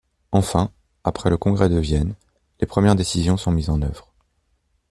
Enfin, après le congrès de Vienne, les premières décisions sont mises en œuvre.